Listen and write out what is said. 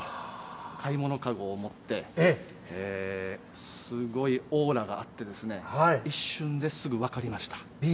買い物かごを持って、すごいオーラがあって、一瞬ですぐ分かりました。